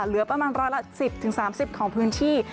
เหลือประมาณร้อยละ๑๐๓๐ของพื้นที่